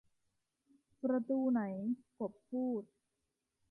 'ประตูไหน ? ' กบพูด